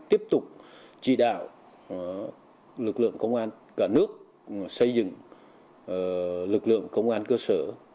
tiếp tục chỉ đạo lực lượng công an cả nước xây dựng lực lượng công an cơ sở